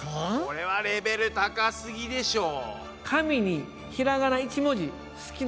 これはレベル高すぎでしょ。